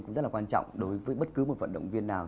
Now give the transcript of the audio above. cũng rất là quan trọng đối với bất cứ một vận động viên nào